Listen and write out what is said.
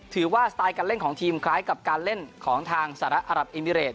ถือว่าสไตล์การเล่นของทีมคล้ายกับการเล่นของทางสรรค์อัลหรัฐอิมิเรต